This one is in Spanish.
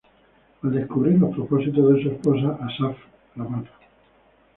Al descubrir los propósitos de su esposa, Asaf le mata.